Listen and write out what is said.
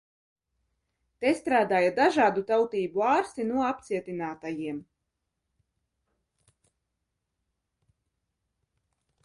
Te strādāja dažādu tautību ārsti no apcietinātiem.